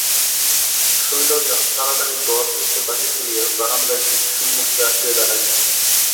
শৈলজা তাড়াতাড়ি ঘর হইতে বাহির হইয়া বারান্দায় সিঁড়ির সম্মুখে আসিয়া দাঁড়াইল।